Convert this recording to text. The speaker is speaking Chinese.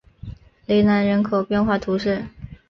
雷南人口变化图示